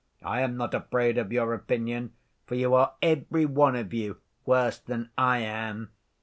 I am not afraid of your opinion, for you are every one of you worse than I am.